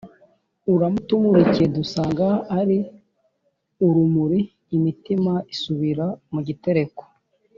Uramutumurikiye dusanga ari urumuri Imitima isubira mu gitereko